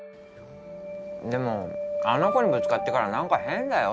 でもあの子にぶつかってからなんか変だよ